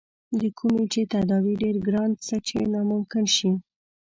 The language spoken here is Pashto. د کومې چې تداوے ډېر ګران څۀ چې ناممکن شي